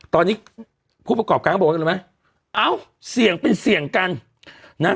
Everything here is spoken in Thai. ตอนนี้ผู้ประกอบการก็บอกว่ารู้ไหมเอ้าเสี่ยงเป็นเสี่ยงกันนะ